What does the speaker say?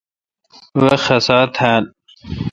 وی خسا تھال۔